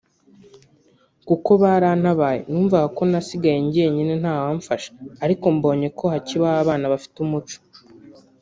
kuko barantabaye (…) numvaga ko nasigaye njyenyine ntawamfasha ariko mbonye ko hakibaho abana bafite umuco